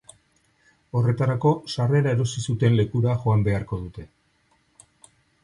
Horretarako, sarrera erosi zuten lekura joan beharko dute.